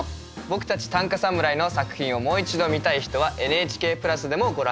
僕たち短歌侍の作品をもう一度見たい人はＮＨＫプラスでもご覧になれます。